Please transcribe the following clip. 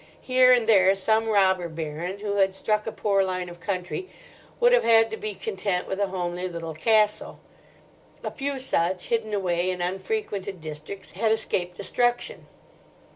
Here and there some robber baron who had struck a poor line of country would have had to be content with a homely little castle. A few such, hidden away in unfrequented districts, had escaped destruction.